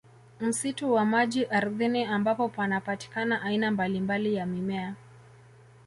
Msitu wa maji ardhini ambapo panapatikana aina mbalimbali ya mimea